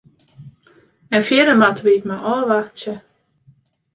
En fierder moatte wy it mar ôfwachtsje.